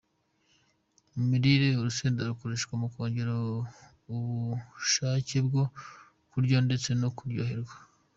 Mu mirire ,urusenda rukoreshwa mu kongera ubushakebwo kurya ndetse no kuryoherwa.